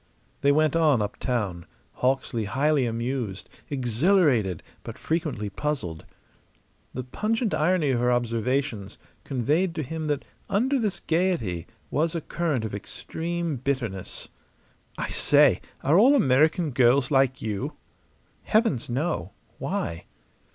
They went on uptown, Hawksley highly amused, exhilarated, but frequently puzzled. The pungent irony of her observations conveyed to him that under this gayety was a current of extreme bitterness. "I say, are all American girls like you?" "Heavens, no! Why?"